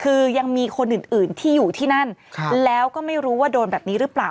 คือยังมีคนอื่นอื่นที่อยู่ที่นั่นแล้วก็ไม่รู้ว่าโดนแบบนี้หรือเปล่า